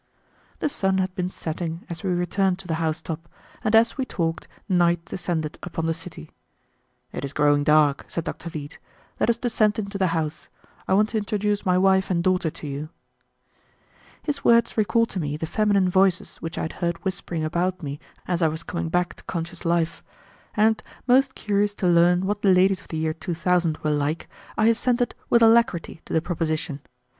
The sun had been setting as we returned to the house top, and as we talked night descended upon the city. "It is growing dark," said Dr. Leete. "Let us descend into the house; I want to introduce my wife and daughter to you." His words recalled to me the feminine voices which I had heard whispering about me as I was coming back to conscious life; and, most curious to learn what the ladies of the year 2000 were like, I assented with alacrity to the proposition.